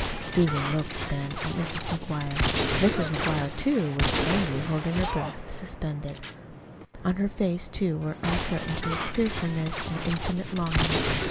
Susan looked then at Mrs. McGuire. Mrs. McGuire, too, was plainly holding her breath suspended. On her face, too, were uncertainty, fearfulness, and infinite longing.